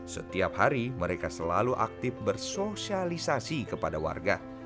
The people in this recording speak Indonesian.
setiap hari mereka selalu aktif bersosialisasi kepada warga